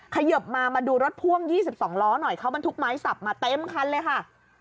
เขยิบมามาดูรถพ่วง๒๒ล้อหน่อยเขาบรรทุกไม้สับมาเต็มคันเลยค่ะ